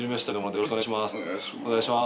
よろしくお願いします。